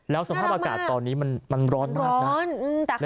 แล้วสภาพอากาศตอนนี้มันร้อนมากนะ